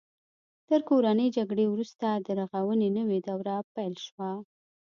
تر کورنۍ جګړې وروسته د رغونې نوې دوره پیل شوه.